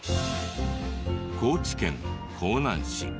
高知県香南市。